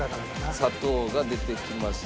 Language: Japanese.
砂糖が出てきました。